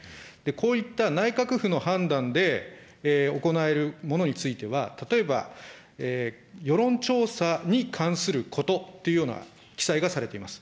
こういった内閣府の判断で、行えるものについては、例えば、世論調査に関することというような記載がされています。